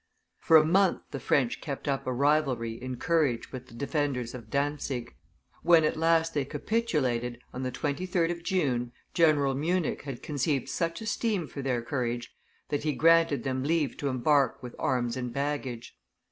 For a month the French kept up a rivalry in courage with the defenders of Dantzic; when at last they capitulated, on the 23d of June, General Munich had conceived such esteem for their courage that be granted them leave to embark with arms and baggage.